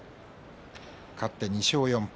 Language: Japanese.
勝って２勝４敗。